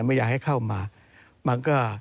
ไม่อยากให้เข้ามามันก็